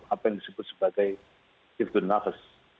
apa yang disebut sebagai irgon nafas